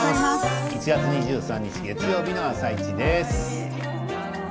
１月２３日月曜日の「あさイチ」です。